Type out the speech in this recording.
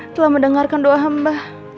telah mendengarkan doa hamba